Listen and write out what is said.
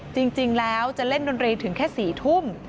จริงแล้วจะเล่นดนตรีถึงแค่๔ทุ่ม